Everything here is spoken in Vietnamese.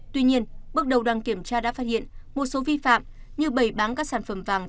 tuy nhiên bước đầu đoàn kiểm tra đã phát hiện một số vi phạm như bày bán các sản phẩm vàng